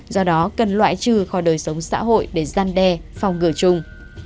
do đó cần loại trừ khỏi đời sống xã hội để gian đe phòng ngừa chung